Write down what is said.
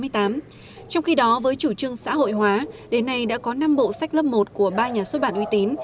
trong khi đó với chủ trương xã hội hóa đến nay đã có năm bộ sách lớp một của ba nhà xuất bản uy tín